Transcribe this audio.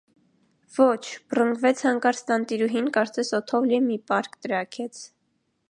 - Ո՛չ, - բռնկվեց հանկարծ տանտիրուհին, կարծես օդով լի մի պարկ տրաքեց: